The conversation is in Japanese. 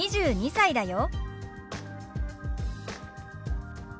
２２歳だよ。